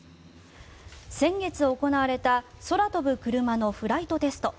先月行われた空飛ぶクルマのフライトテスト。